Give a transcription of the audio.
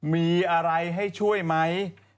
มีอะไรให้ช่วยไหม